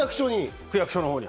区役所のほうに。